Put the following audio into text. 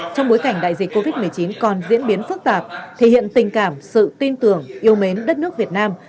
trong bối cảnh đại dịch covid một mươi chín còn diễn biến phức tạp thể hiện tình cảm sự tin tưởng yêu mến đất nước việt nam